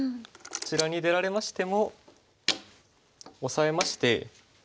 こちらに出られましてもオサえまして。